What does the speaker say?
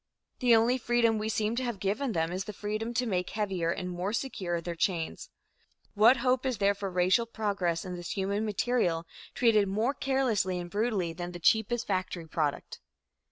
The only freedom we seem to have given them is the freedom to make heavier and more secure their chains. What hope is there for racial progress in this human material, treated more carelessly and brutally than the cheapest factory product?